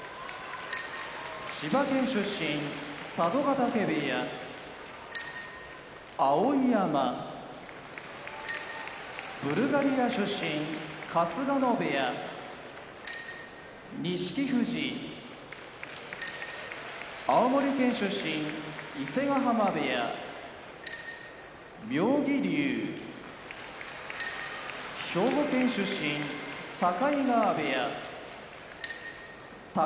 千葉県出身佐渡ヶ嶽部屋碧山ブルガリア出身春日野部屋錦富士青森県出身伊勢ヶ濱部屋妙義龍兵庫県出身境川部屋宝